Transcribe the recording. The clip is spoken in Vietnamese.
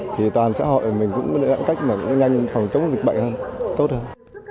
thì toàn xã hội của mình cũng có lãng cách nhanh phòng chống dịch bệnh hơn tốt hơn